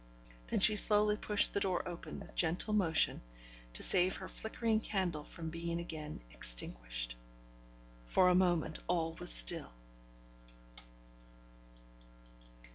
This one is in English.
Then she slowly pushed the door open with gentle motion, to save her flickering candle from being again extinguished. For a moment all was still.